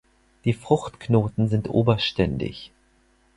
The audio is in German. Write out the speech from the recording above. Die Fruchtknoten sind oberständig.